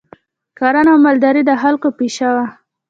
کرنه او مالداري د خلکو پیشه وه